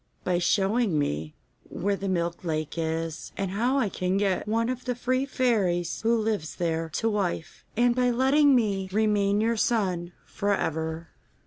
'By showing me where the Milk Lake is, and how I can get one of the three fairies who lives there to wife, and by letting me remain your son for ever.